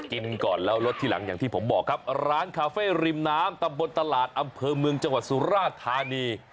กินก่อนแล้วรสที่หลังอย่างที่ผมบอกครับร้านคาเฟ่ริมน้ำตำบลตลาดอำเภอเมืองจังหวัดสุราธานี